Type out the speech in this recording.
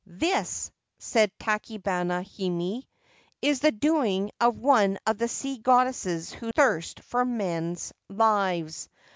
4 This/ said Tachibana Hime, ' is the doing of one of the sea goddesses who thirst for men's lives.